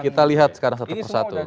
kita lihat sekarang satu persatu